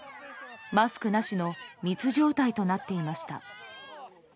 マスクなしの密状態となっていました。